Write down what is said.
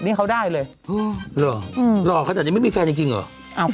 คนเขาอาจจะยังไม่อยากมีแล้วก็อาจจะ